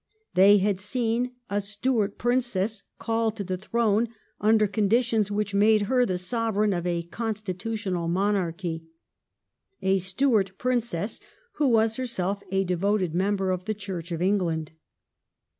They had seen a Stuart Princess called to the throne under conditions which made her the Sovereign of a constitutional monarchy — a Stuart Princess who was herself a devoted member of the Church of England.